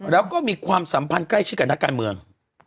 แล้วก็มีความสัมพันธ์ใกล้ชิดกับนักการเมือง